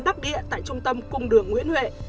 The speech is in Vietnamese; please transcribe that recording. đắc địa tại trung tâm cung đường nguyễn huệ